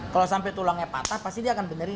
kalau sampai tulangnya patah pasti dia akan benerin